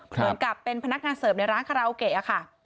เหมือนกับเป็นพนักงานเสิร์ฟในร้านคาราโอเกะค่ะ